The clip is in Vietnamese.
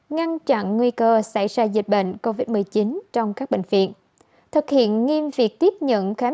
ngăn chặn nguy cơ xảy ra dịch bệnh covid một mươi chín trong các bệnh viện thực hiện nghiêm việc tiếp nhận khám